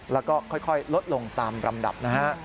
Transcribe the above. แล้วก็ค่อยลดลงตามลำดับนะฮะ